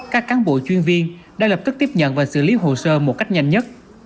các cán bộ chuyên viên đã lập tức tiếp nhận và xử lý hồ sơ một cách nhanh nhất